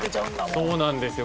そうなんですよ。